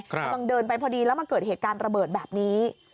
กำลังเดินไปพอดีแล้วมาเกิดเหตุการณ์ระเบิดแบบนี้